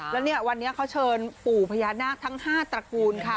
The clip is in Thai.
แล้วเนี่ยวันนี้เขาเชิญปู่พญานาคทั้ง๕ตระกูลค่ะ